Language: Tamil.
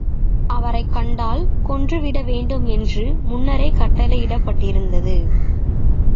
அவரைக் கண்டால் கொன்று விட வேண்டும் என்று முன்னரே கட்டளையிடப்பட்டிருந்தது.